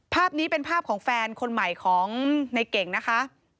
ภาพนี้เป็นภาพของแฟนคนใหม่ของในเก่งนะคะ